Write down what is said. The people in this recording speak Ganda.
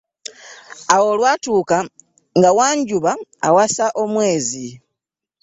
Awo olwatuuka nga Wanjuba awasa omwezi.